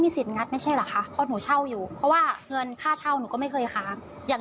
อยู่ดีมางัดกันแบบนี้ได้ด้วยเหรอคะไปดูคลิปกันหน่อยนะคะ